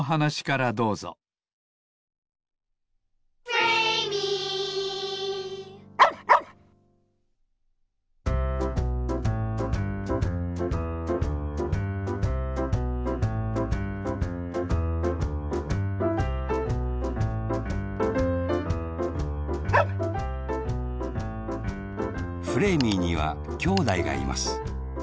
フレーミーにはきょうだいがいます。